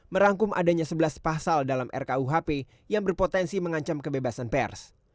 merangkum adanya sebelas pasal dalam rkuhp yang berpotensi mengancam kebebasan pers